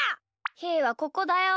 ひーはここだよ。